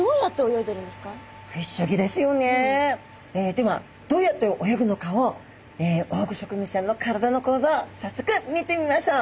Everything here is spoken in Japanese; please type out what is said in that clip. ではどうやって泳ぐのかをオオグソクムシちゃんの体の構造早速見てみましょう。